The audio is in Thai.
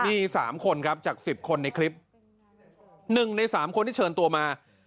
มี๓คนครับจาก๑๐คนในคลิป๑ใน๓คนที่เชิญตัวมา